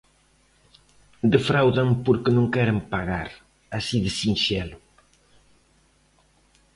Defraudan porque non queren pagar, así de sinxelo.